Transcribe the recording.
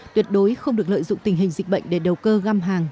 tuyệt đối không được lợi dụng tình hình dịch bệnh để đầu cơ găm hàng